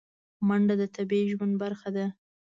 منډه د طبیعي ژوند برخه ده